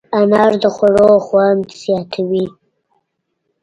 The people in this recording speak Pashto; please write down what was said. انار د خوړو خوند زیاتوي.